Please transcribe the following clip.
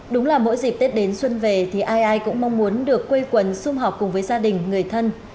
đúng là mỗi dịp tết đến xuân về thì ai ai cũng mong muốn được quây quần xung họp cùng với gia đình người thân